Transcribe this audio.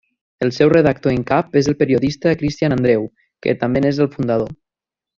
El seu redactor en cap és el periodista Christian Andreu, que també n'és el fundador.